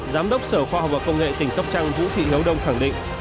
giám đốc sở khoa học và công nghệ tỉnh sóc trăng vũ thị hiếu đông khẳng định